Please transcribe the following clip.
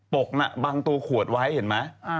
กกน่ะบังตัวขวดไว้เห็นไหม